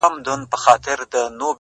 سترگي مي ړندې سي رانه وركه سې،